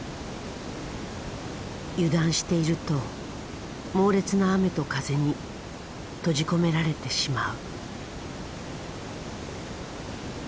油断していると猛烈な雨と風に閉じ込められてしまう。